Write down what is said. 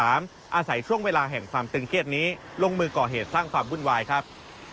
อาศัยช่วงเวลาแห่งความตึงเครียดนี้ลงมือก่อเหตุสร้างความวุ่นวายครับ